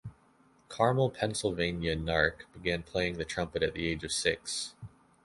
Carmel, Pennsylvania, Nark began playing the trumpet at the age of six.